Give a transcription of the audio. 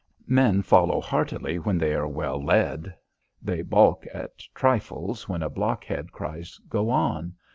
Men follow heartily when they are well led. They balk at trifles when a blockhead cries go on.